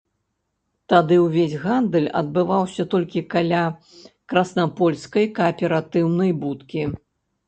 Тады ўвесь гандаль адбываўся толькі каля краснапольскай кааператыўнай будкі.